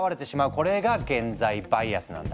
これが現在バイアスなんだ。